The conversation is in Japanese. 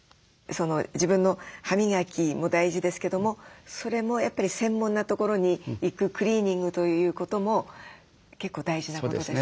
自分の歯磨きも大事ですけどもそれもやっぱり専門な所に行くクリーニングということも結構大事なことですか？